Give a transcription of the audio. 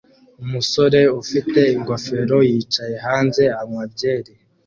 Umusore ufite ingofero yicaye hanze anywa byeri